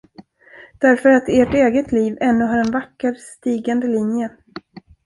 Därför att ert eget liv ännu har en vacker stigande linje.